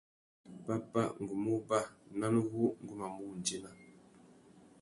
Pápá, ngu mú uba ; nán wu ngu mà mù wundzéna.